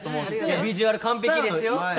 ビジュアル完璧ですよ。